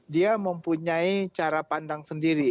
dia mempunyai cara pandang sendiri